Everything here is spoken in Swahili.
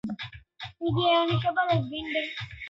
ni mtazamo wa waziri mkuu mustaafu wa tanzania